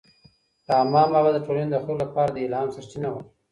رحمان بابا د ټولنې د خلکو لپاره د الهام سرچینه و.